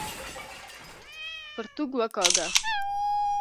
پرتوګ وکاږه!